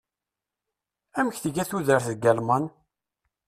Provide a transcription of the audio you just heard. Amek tga tudert deg Alman?